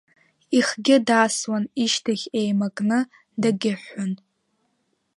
Ихгьы дасуан, ишьҭахь еимакны дагьыҳәҳәон…